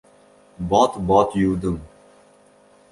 Bot-bot yuvdim.